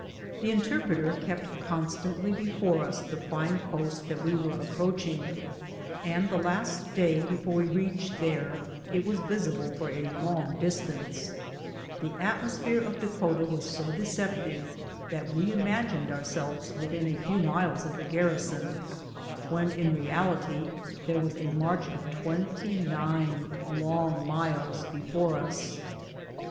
The interpreter kept constantly before us the fine post that we were approaching, and the last day before we reached there it was visible for a long distance. The atmospliere of Dakota was so deceptive that we imag A VISIT TO THE VILLAGE OF "TWO BEARS." 65 ined ourselves within a few miles of tlie garrison, when, in reality, there was a march of twenty nine long miles before iis.